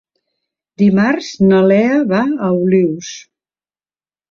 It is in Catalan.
Dimarts na Lea va a Olius.